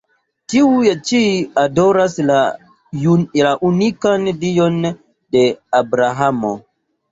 Tiuj ĉi adoras la unikan Dion de Abrahamo.